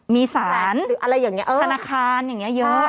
มีศาลธนาคารอย่างนี้เยอะ